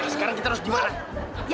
sekarang kita harus gimana